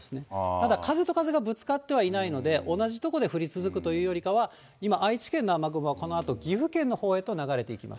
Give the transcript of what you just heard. ただ風と風がぶつかってはいないので、同じ所で降り続くというよりかは、今、愛知県の雨雲がこのあと岐阜県のほうに流れてきます。